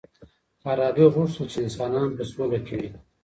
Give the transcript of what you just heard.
فارابي غوښتل چی انسانان په سوله کي وي.